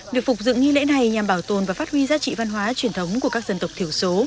được phục dựng nghi lễ này nhằm bảo tồn và phát huy giá trị văn hóa truyền thống của các dân tộc thiểu số